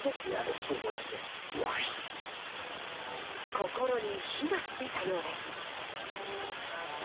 心に火がついたようです。